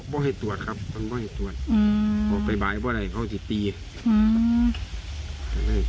บอกให้ตรวจครับมันบอกให้ตรวจอืมออกไปบ่ายบ่ายเขาจะตีอืม